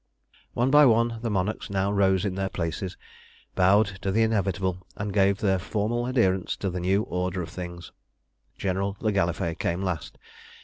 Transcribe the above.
One by one the monarchs now rose in their places, bowed to the inevitable, and gave their formal adherence to the new order of things. General le Gallifet came last.